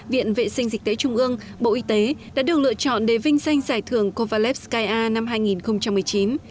viện vệ sinh dịch tễ trung ương bộ y tế đã được lựa chọn để vinh danh giải thưởng kovalev skyar năm hai nghìn một mươi chín